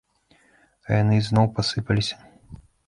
А яны ізноў пасыпаліся.